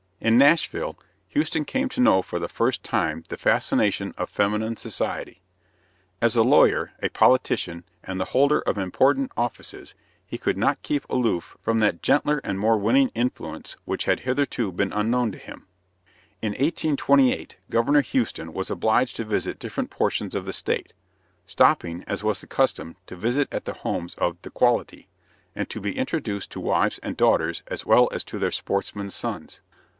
In Nashville Houston came to know for the first time the fascination of feminine society. As a lawyer, a politician, and the holder of important offices he could not keep aloof from that gentler and more winning influence which had hitherto been unknown to him. In 1828 Governor Houston was obliged to visit different portions of the state, stopping, as was the custom, to visit at the homes of "the quality," and to be introduced to wives and daughters as well as to their sportsman sons.